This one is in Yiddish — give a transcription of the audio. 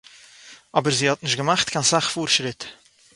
אָבער זי האָט נישט געמאַכט קיין סאַך פאָרשריט